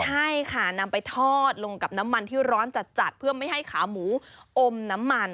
ใช่ค่ะนำไปทอดลงกับน้ำมันที่ร้อนจัดเพื่อไม่ให้ขาหมูอมน้ำมัน